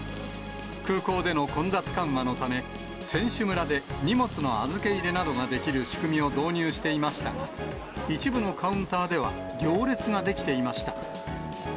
空港での混雑緩和のため、選手村で荷物の預け入れなどができる仕組みを導入していましたが、一部のカウンターでは行列が出来ていました。